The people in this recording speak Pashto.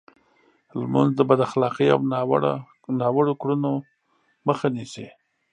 لمونځ د بد اخلاقۍ او ناوړو کړنو مخه نیسي.